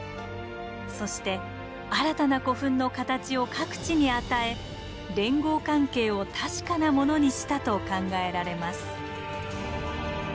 そして新たな古墳の形を各地に与え連合関係を確かなものにしたと考えられます。